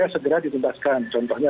segera dituntaskan contohnya